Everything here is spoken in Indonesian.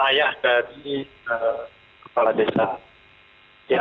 ayah dari kepala desa